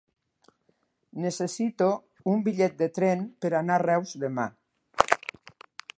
Necessito un bitllet de tren per anar a Reus demà.